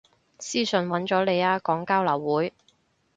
私訊搵咗你啊，講交流會